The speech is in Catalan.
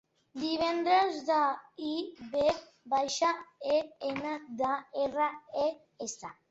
Divendres: de, i, ve baixa, e, ena, de, erra, e, essa.